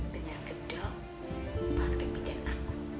dengan gedung praktik bidang aku